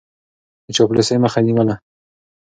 د چاپلوسۍ مخه يې نيوله.